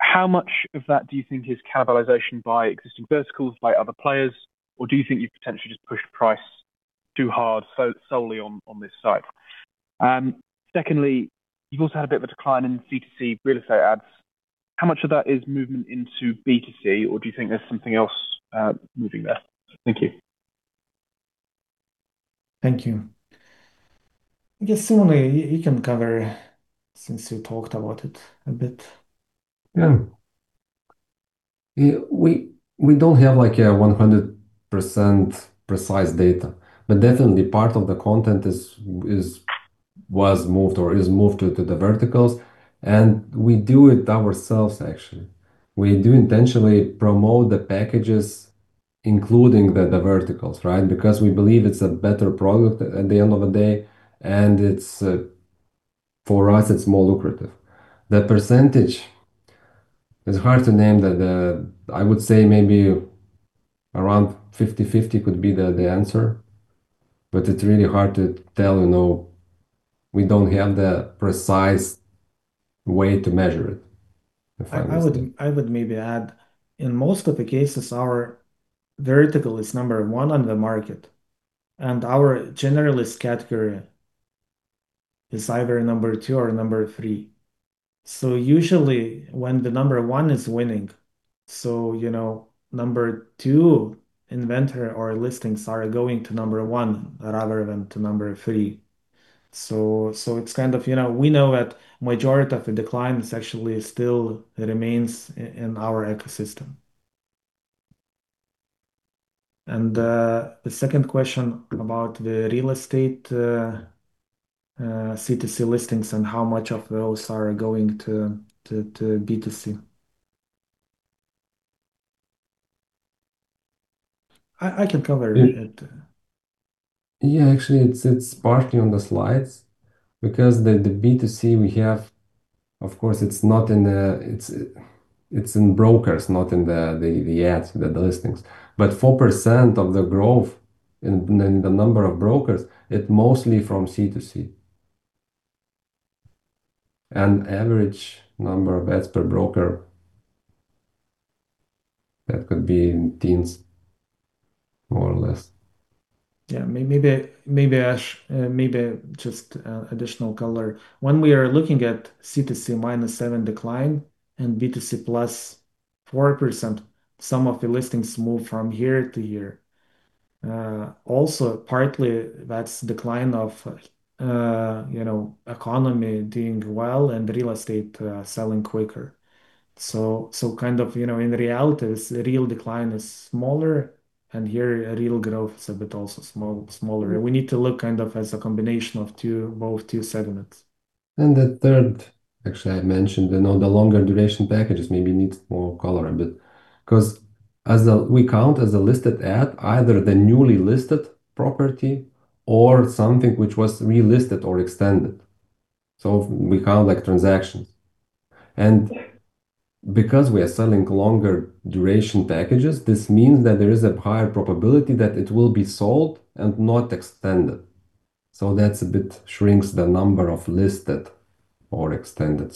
How much of that do you think is cannibalization by existing verticals, by other players, or do you think you've potentially just pushed price too hard solely on this site? Secondly, you've also had a bit of a decline in C2C Real Estate ads. How much of that is movement into B2C, or do you think there's something else moving there? Thank you. Thank you. I guess, Simonas, you can cover since you talked about it a bit. Yeah. We don't have 100% precise data, but definitely part of the content was moved or is moved to the verticals. And we do it ourselves, actually. We do intentionally promote the packages, including the verticals, right, because we believe it's a better product at the end of the day, and for us, it's more lucrative. The percentage, it's hard to name. I would say maybe around 50/50 could be the answer, but it's really hard to tell. We don't have the precise way to measure it. I would maybe add, in most of the cases, our vertical is number one on the market, and our Generalist category is either number two or number three. So usually, when the number one is winning, so number two inventory or listings are going to number one rather than to number three. So it's kind of we know that majority of the decline actually still remains in our ecosystem. And the second question about the Real Estate C2C listings and how much of those are going to B2C. I can cover it. Yeah. Actually, it's partially on the slides because the B2C we have, of course, it's in brokers, not in the ads, the listings. But 4% of the growth in the number of brokers, it's mostly from C2C. And average number of ads per broker, that could be teens, more or less. Yeah. Maybe just additional color. When we are looking at C2C -7% decline and B2C +4%, some of the listings move from here to here. Also, partly, that's decline of economy doing well and Real Estate selling quicker. So kind of in reality, the real decline is smaller, and here, real growth is a bit also smaller. We need to look kind of as a combination of both two segments. And the third, actually, I mentioned, the longer duration packages maybe needs more color a bit because we count as a listed ad either the newly listed property or something which was relisted or extended. So we count like transactions. And because we are selling longer duration packages, this means that there is a higher probability that it will be sold and not extended. So that's a bit shrinks the number of listed or extended.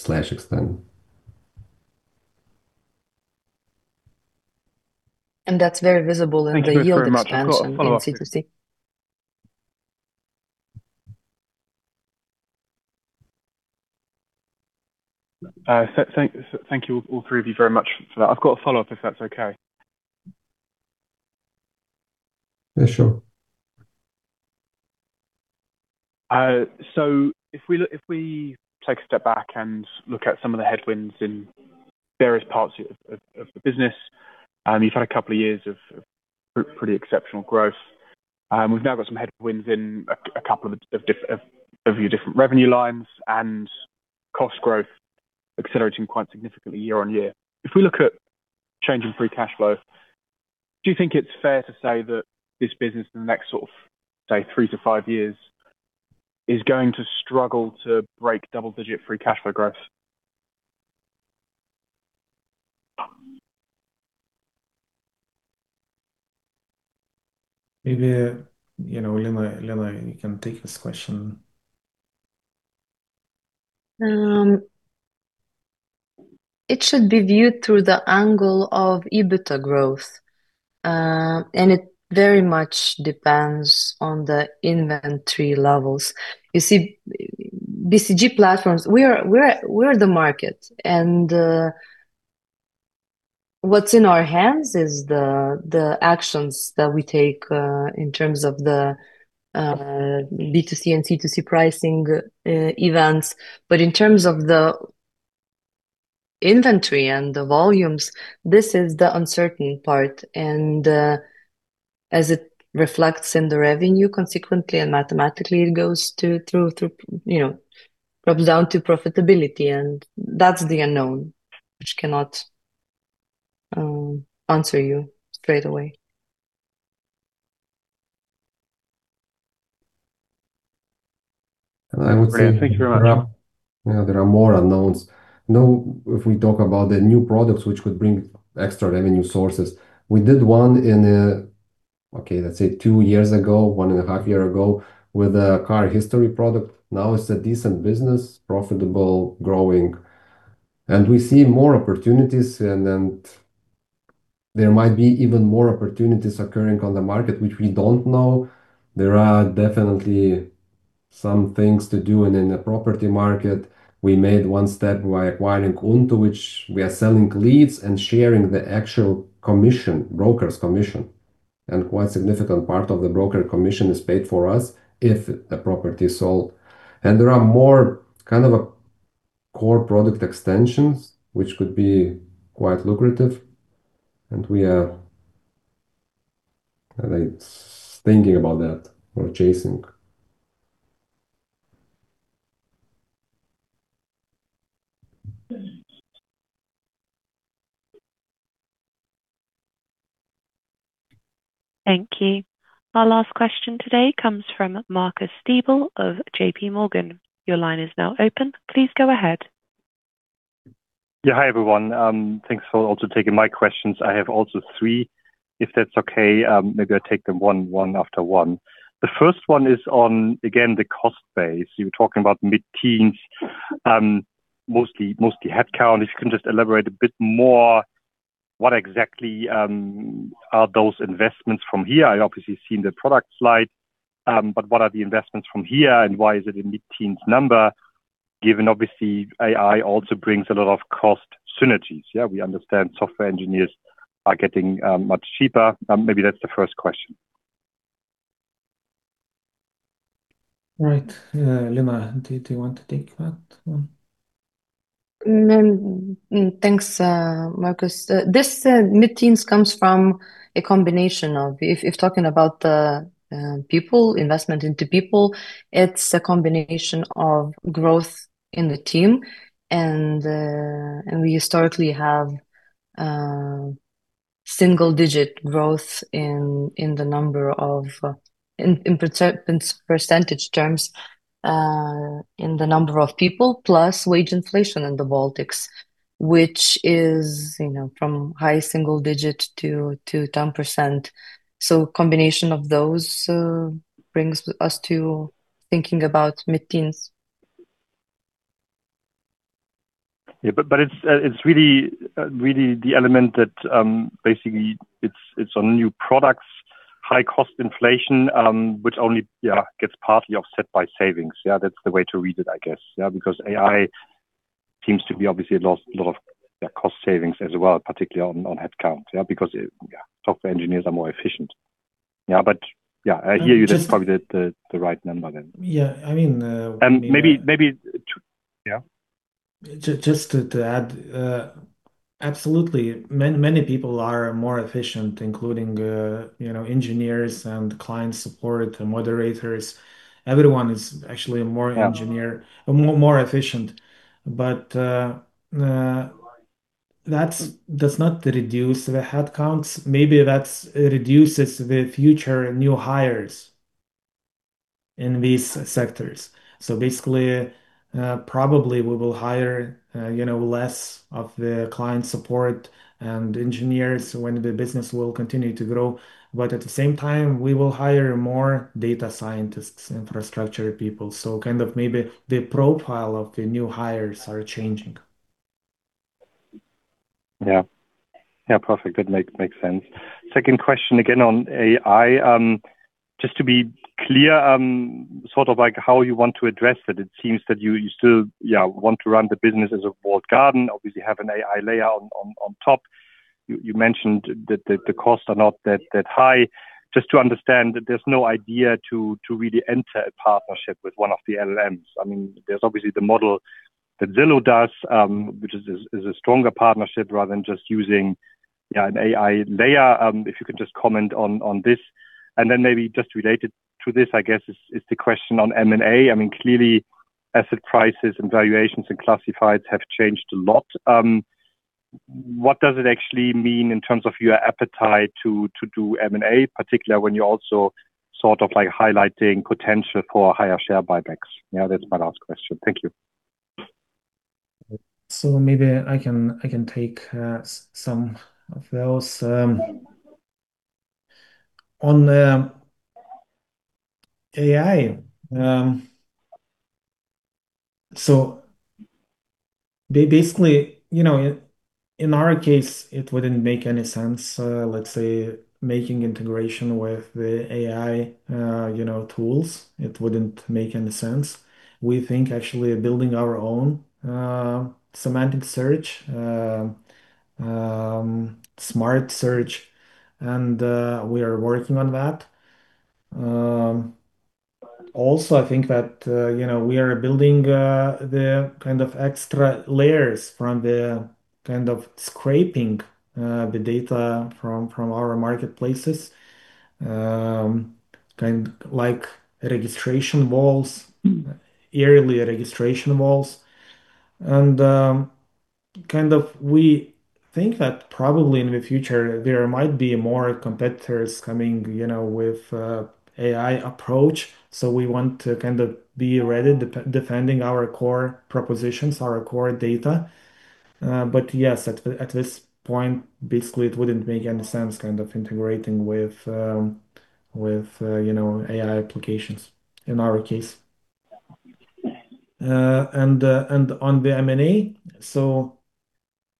That's very visible in the yield expansion in C2C. Thank you all three of you very much for that. I've got a follow-up, if that's okay. Yeah, sure. So if we take a step back and look at some of the headwinds in various parts of the business, you've had a couple of years of pretty exceptional growth. We've now got some headwinds in a couple of your different revenue lines and cost growth accelerating quite significantly year on year. If we look at changing free cash flow, do you think it's fair to say that this business in the next sort of, say, three to five years is going to struggle to break double-digit free cash flow growth? Maybe Lina, you can take this question. It should be viewed through the angle of EBITDA growth, and it very much depends on the inventory levels. You see, BCG platforms, we're the market, and what's in our hands is the actions that we take in terms of the B2C and C2C pricing events, but in terms of the inventory and the volumes, this is the uncertain part, and as it reflects in the revenue, consequently, and mathematically, it goes through, drops down to profitability, and that's the unknown, which cannot answer you straight away. I would say. Thank you very much. There are more unknowns. If we talk about the new products which could bring extra revenue sources, we did one in, okay, let's say, two years ago, one and a half years ago with a car history product. Now it's a decent business, profitable, growing, and we see more opportunities, and there might be even more opportunities occurring on the market, which we don't know. There are definitely some things to do in the property market. We made one step by acquiring Untu, which we are selling leads and sharing the actual broker's commission, and quite a significant part of the broker commission is paid for us if the property is sold, and there are more kind of core product extensions, which could be quite lucrative, and we are thinking about that or chasing. Thank you. Our last question today comes from `Marcus Diebel of JPMorgan. Your line is now open. Please go ahead. Yeah. Hi, everyone. Thanks for also taking my questions. I have also three. If that's okay, maybe I'll take them one after one. The first one is on, again, the cost base. You were talking about mid-teens, mostly headcount. If you can just elaborate a bit more, what exactly are those investments from here? I obviously seen the product slide, but what are the investments from here, and why is it a mid-teens number, given obviously AI also brings a lot of cost synergies? Yeah, we understand software engineers are getting much cheaper. Maybe that's the first question. Right. Lina, do you want to take that one? Thanks, Marcus. This mid-teens comes from a combination of, if talking about people, investment into people, it's a combination of growth in the team, and we historically have single-digit growth in the number of, in percentage terms, in the number of people plus wage inflation in the Baltics, which is from high single-digit to 10%, so a combination of those brings us to thinking about mid-teens. Yeah. But it's really the element that basically it's on new products, high cost inflation, which only, yeah, gets partly offset by savings. Yeah, that's the way to read it, I guess, yeah, because AI seems to be obviously a lot of cost savings as well, particularly on headcount, yeah, because software engineers are more efficient. Yeah. But yeah, I hear you. That's probably the right number then. Yeah. I mean. And maybe, yeah. Just to add, absolutely. Many people are more efficient, including engineers and client support and moderators. Everyone is actually more engineer, more efficient. But that's not to reduce the headcounts. Maybe that reduces the future new hires in these sectors. So basically, probably we will hire less of the client support and engineers when the business will continue to grow. But at the same time, we will hire more data scientists, infrastructure people. So kind of maybe the profile of the new hires are changing. Yeah. Yeah. Perfect. That makes sense. Second question again on AI. Just to be clear, sort of how you want to address it, it seems that you still want to run the business as a walled garden, obviously have an AI layer on top. You mentioned that the costs are not that high. Just to understand that there's no idea to really enter a partnership with one of the LLMs. I mean, there's obviously the model that Zillow does, which is a stronger partnership rather than just using an AI layer. If you can just comment on this. And then maybe just related to this, I guess, is the question on M&A. I mean, clearly, asset prices and valuations and classifieds have changed a lot. What does it actually mean in terms of your appetite to do M&A, particularly when you're also sort of highlighting potential for higher share buybacks? Yeah, that's my last question. Thank you. So maybe I can take some of those. On AI, so basically, in our case, it wouldn't make any sense, let's say, making integration with the AI tools. It wouldn't make any sense. We think actually building our own semantic search, smart search, and we are working on that. Also, I think that we are building the kind of extra layers from the kind of scraping the data from our marketplaces, kind of like registration walls, early registration walls. And kind of we think that probably in the future, there might be more competitors coming with an AI approach. So we want to kind of be ready defending our core propositions, our core data. But yes, at this point, basically, it wouldn't make any sense kind of integrating with AI applications in our case. And on the M&A, so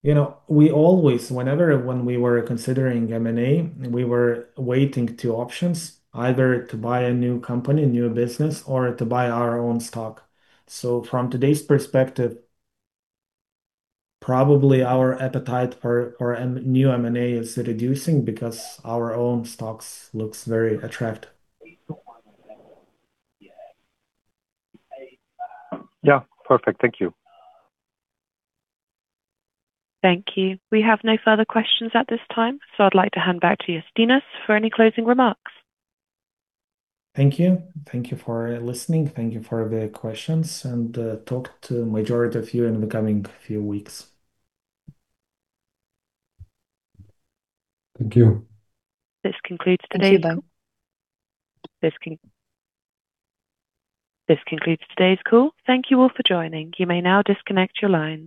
we always, whenever we were considering M&A, we were weighing two options, either to buy a new company, new business, or to buy our own stock. So from today's perspective, probably our appetite for new M&A is reducing because our own stocks look very attractive. Yeah. Perfect. Thank you. Thank you. We have no further questions at this time. So I'd like to hand back to Justinas for any closing remarks. Thank you. Thank you for listening. Thank you for the questions, and talk to the majority of you in the coming few weeks. Thank you. This concludes today's then. Thank you. This concludes today's call. Thank you all for joining. You may now disconnect your lines.